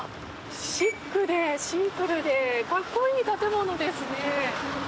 シックでシンプルで格好いい建物ですね。